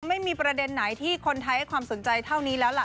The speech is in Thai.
ไม่มีประเด็นไหนที่คนไทยให้ความสนใจเท่านี้แล้วล่ะ